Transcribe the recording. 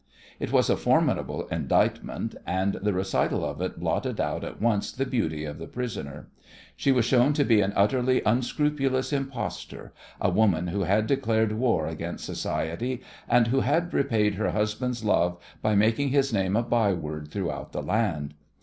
It was a formidable indictment, and the recital of it blotted out at once the beauty of the prisoner. She was shown to be an utterly unscrupulous impostor, a woman who had declared war against society, and who had repaid her husband's love by making his name a byword throughout the land.